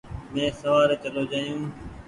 مينٚ سوآري چلو جآيو